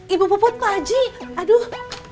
ibu puput pak haji aduh